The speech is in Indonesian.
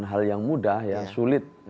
hal yang mudah sulit